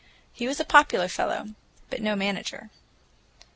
He was a popular fellow, but no manager.